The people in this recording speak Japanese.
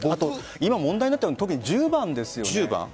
今、問題になっているのは特に１０番ですよね。